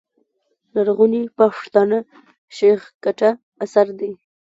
لرغوني پښتانه، شېخ کټه اثر دﺉ.